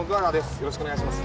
よろしくお願いします